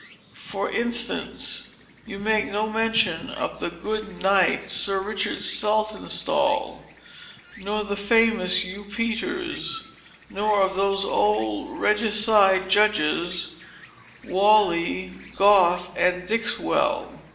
For instance, you make no mention of the good knight, Sir Richard Saltonstall, nor of the famous Hugh Peters, nor of those old regicide judges, Whalley, Goffe, and Dixwell.